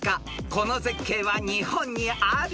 ［この絶景は日本にある？